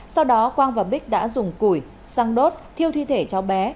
sau đó quang và bích đã dùng củi xăng đốt thiêu thi thể cháu bé